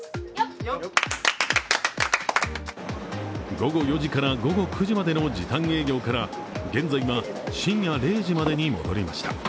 午後４時から午後９時までの時短営業から、現在は深夜０時までに戻りました。